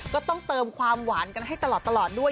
ก็ต้องเติมความหวานกันให้ตลอดด้วย